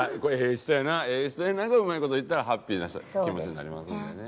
人やなええ人でなんかうまい事いったらハッピーな気持ちになりますのでね。